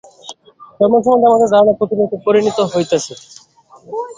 ধর্ম সম্বন্ধে আমাদের ধারণা প্রতিনিয়ত পরিবর্তিত হইতেছে।